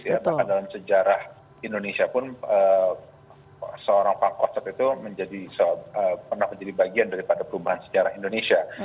bahkan dalam sejarah indonesia pun seorang pak kosong itu pernah menjadi bagian daripada perubahan sejarah indonesia